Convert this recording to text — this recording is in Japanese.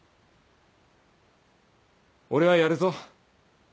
俺はやるぞ。